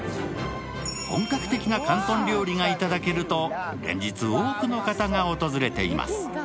本格的な広東料理が頂けると連日多くの方が訪れています。